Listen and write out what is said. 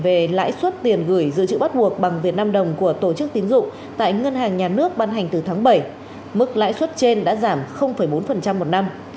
về lãi suất tiền gửi dự trữ bắt buộc bằng việt nam đồng của tổ chức tín dụng tại ngân hàng nhà nước ban hành từ tháng bảy mức lãi suất trên đã giảm bốn một năm